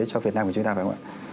cho việt nam của chúng ta phải không ạ